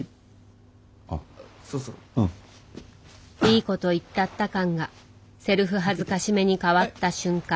いいこと言ったった感がセルフ辱めにかわった瞬間